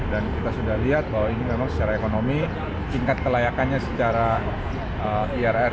dan kita sudah lihat bahwa ini memang secara ekonomi tingkat kelayakannya secara irr